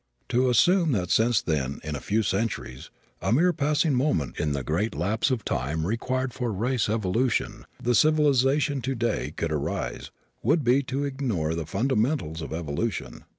To assume that since then, in a few centuries a mere passing moment in the great lapse of time required for race evolution the civilization today could arise, would be to ignore the fundamentals of evolution.